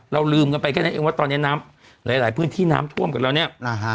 ลืมกันไปแค่นั้นเองว่าตอนนี้น้ำหลายพื้นที่น้ำท่วมกันแล้วเนี่ย